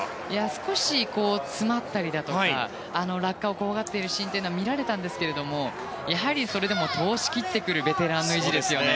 少し詰まったりだとか落下を怖がっているシーンは見られたんですけれどもそれでも通し切ってくるベテランの意地ですね。